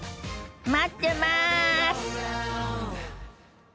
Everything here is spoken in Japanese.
待ってます！